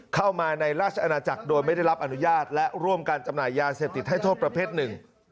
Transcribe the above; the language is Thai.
เข้ามาในราชอาณาจักรโดยไม่ได้รับอนุญาตและร่วมกันจำหน่ายยาเสพติดให้โทษประเภทหนึ่ง